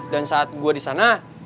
dan saat gua di sana